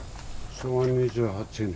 昭和２８年。